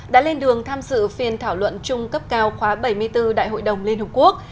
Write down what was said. đã lên đường tham dự phiên thảo luận chung cấp cao khóa bảy mươi bốn đại hội đồng liên hợp quốc